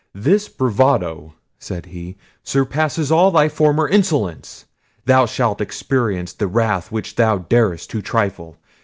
"This bravado," said he, "surpasses all thy former insolence. Thou shalt experience the wrath with which thou darest to trifle.